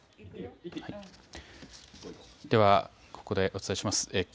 では、ここでお伝えします。